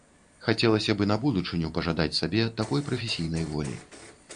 Хацелася б і на будучыню пажадаць сабе такой прафесійнай волі.